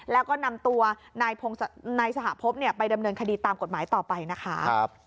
แล้วก็นำตัวนายสหพบไปดำเนินคดีตามกฎหมายต่อไปนะคะ